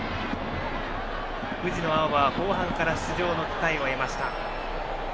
藤野あおばは、後半から出場の機会を得ました。